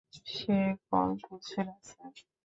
সে call তুলছে না, sir.